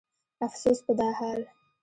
افسوس په دا حال